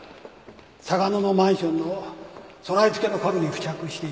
嵯峨野のマンションの備え付けの家具に付着していた花粉。